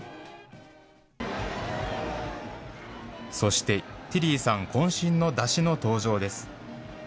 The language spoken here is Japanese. そして、ティリーさんこん身の山車の登場です。